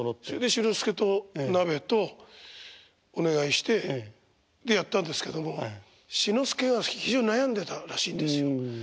志の輔とナベとお願いしてでやったんですけども志の輔が非常に悩んでたらしいんですよ。